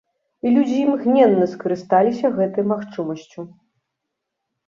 І людзі імгненна скарысталіся гэтай магчымасцю.